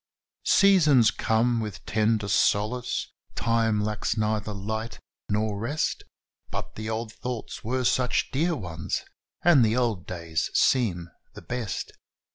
Seasons come with tender solace time lacks neither light nor rest; But the old thoughts were such dear ones, and the old days seem the best.